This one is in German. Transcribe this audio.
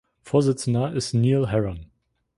Vorsitzender ist Neil Herron.